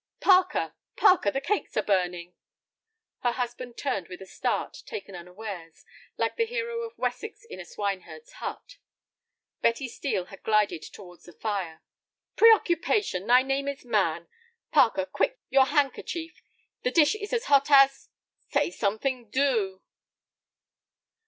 "Parker, Parker, the cakes are burning!" Her husband turned with a start, taken unawares, like the hero of Wessex in the swineherd's hut. Betty Steel had glided towards the fire. "Preoccupation—thy name is man! Parker, quick, your handkerchief. The dish is as hot as—Say something, do."